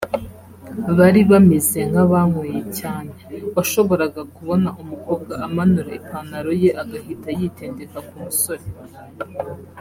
Bari bameze nk’abanyweye cyane…washoboraga kubona umukobwa amanura ipantaro ye agahita yitendeka ku musore